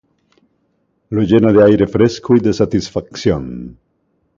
Lo llena de aire fresco y de satisfacción".